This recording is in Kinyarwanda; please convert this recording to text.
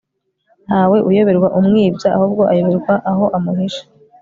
ntawe uyoberwa umwibya, ahubwo ayoberwa aho amuhishe